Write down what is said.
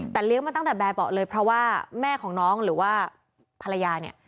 แต่เลี้ยงมาตั้งแต่แบบเบาะเลยเพราะว่าแม่ของน้องหรือว่าภรรยาเนี่ย